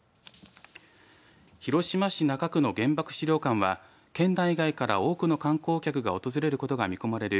広島市中区の原爆資料館は県内外から多くの観光客が訪れることが見込まれる